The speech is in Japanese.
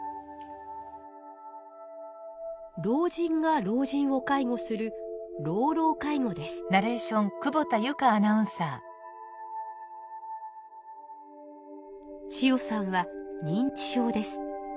老人が老人を介護する千代さんは認知症です。